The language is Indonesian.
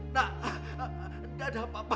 nak gak ada apa apa